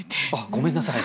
ごめんなさい。